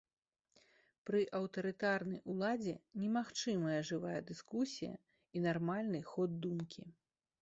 Пры аўтарытарнай уладзе немагчымая жывая дыскусія і нармальны ход думкі.